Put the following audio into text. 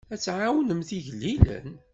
Ad tɛawnemt igellilen.